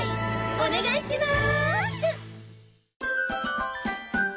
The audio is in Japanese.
お願いします！